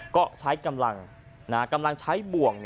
ก็ใช้กำลังใช้บ่วง